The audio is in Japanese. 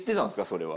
それは。